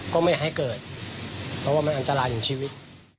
ก็ไม่ให้เกิดเพราะว่ามันอันตรายถึงชีวิต